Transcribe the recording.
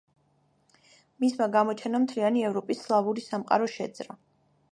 მისმა გამოჩენამ მთლიანი ევროპის სლავური სამყარო შეძრა.